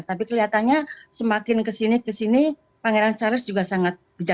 tapi kelihatannya semakin kesini kesini pangeran charles juga sangat bijak